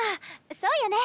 そうよね。